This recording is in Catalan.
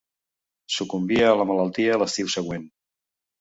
Sucumbia a la malaltia l'estiu següent.